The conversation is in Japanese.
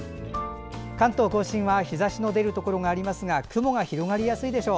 関東・甲信は日ざしの出るところがありますが雲が広がりやすいでしょう。